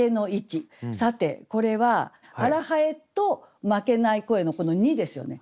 さてこれは「荒南風」と「負けない声」のこの「に」ですよね。